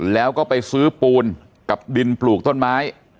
แล้วก็ไปซื้อปูนกับดินปลูกต้นไม้